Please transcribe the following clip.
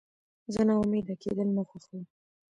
زه ناامیده کېدل نه خوښوم.